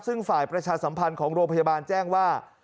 ซึ่งฝ่ายประชาสัมพันธ์ของโรงพยาบาลแจ้งว่า